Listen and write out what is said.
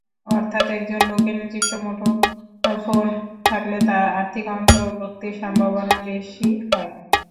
অর্থাৎ, একজন লোকের নিজস্ব মুঠোফোন থাকলে তাঁর আর্থিক অন্তর্ভুক্তির সম্ভাবনা বেশি হয়।